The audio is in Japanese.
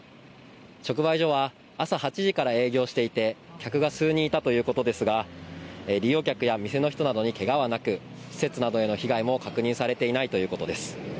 直売所は朝８時から営業していて客が数人いたということですが利用客や店の人などにけがはなく施設などへの被害も確認されていないということです。